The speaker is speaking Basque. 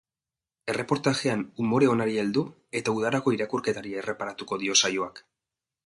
Erreportajean umore onari heldu eta udarako irakurketari erreparatuko dio saioak.